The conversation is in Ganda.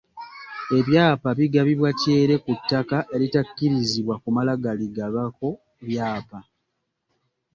Ebyapa bigabibwa kyere ku ttaka eritakkirizibwa kumala galigabako byapa.